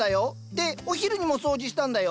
でお昼にも掃除したんだよ。